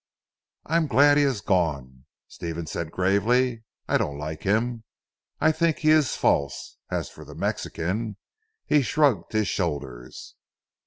"I am glad he has gone," Stephen said gravely. "I don't like him. I think he is false. As for the Mexican " he shrugged his shoulders.